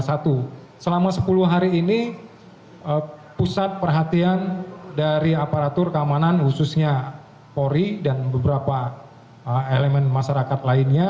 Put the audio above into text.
selama sepuluh hari ini pusat perhatian dari aparatur keamanan khususnya polri dan beberapa elemen masyarakat lainnya